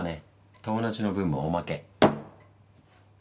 友達の分もおまけ。